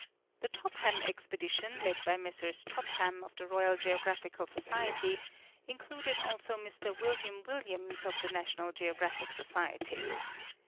The Topham expedition, led by Messrs Topham of the Royal Geographical Society, included also Mr William Williams of the National Geographic Society.